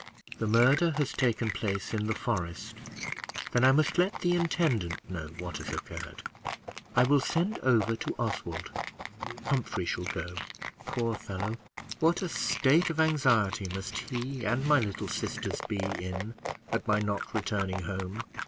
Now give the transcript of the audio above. The murder has taken place in the forest: then I must let the intendant know what has occurred. I will send over to Oswald; Humphrey shall go. Poor fellow! what a state of anxiety must he and my little sisters be in, at my not returning home!